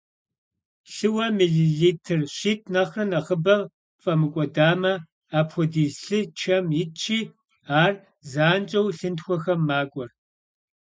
Лъыуэ миллилитр щитӏ нэхърэ нэхъыбэ фӏэмыкӏуэдамэ, апхуэдиз лъы чэм итщи, ар занщӏэу лъынтхуэхэм макӏуэр.